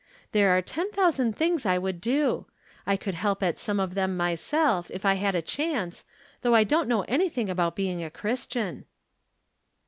There are ten thousand things I would do. I could help at some of them myself, if I had a chance, though I don't know anything about being a Christian."